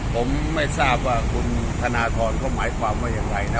ผมไม่ทราบว่าคุณธนทรเขาหมายความว่าอย่างไรนะ